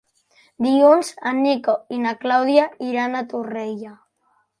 Dilluns en Nico i na Clàudia iran a Torrella.